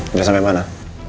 sudah sampai mana